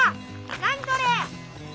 何それ！